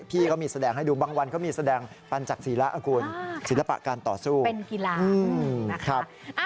พี่เขามีแสดงให้ดูบางวันเขามีแสดงปันจากศิละอากุลศิลปะการต่อสู้เป็นกีฬา